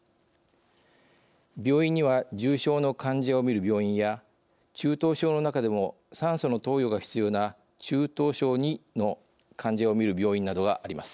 病院には重症の患者を診る病院や中等症の中でも酸素の投与が必要な中等症２の患者を診る病院などがあります。